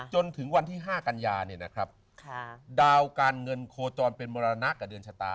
จนถึงวันที่๕กันยาดาวการเงินโคจรเป็นมรณะกับเดือนชะตา